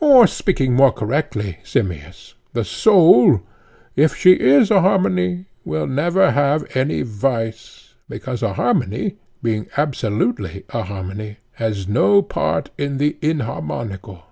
Or speaking more correctly, Simmias, the soul, if she is a harmony, will never have any vice; because a harmony, being absolutely a harmony, has no part in the inharmonical.